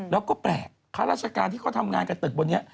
แล้วก็แปลกข้าราชการที่เขาทำงานกับตึกบนนี้